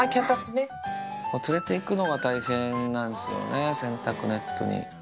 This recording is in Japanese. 連れていくのが大変なんですよね、洗濯ネットに。